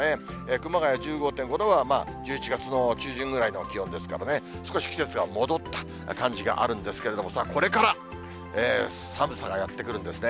熊谷１５．５度は、１１月の中旬ぐらいの気温ですからね、少し季節が戻った感じがあるんですけれども、さあ、これから寒さがやって来るんですね。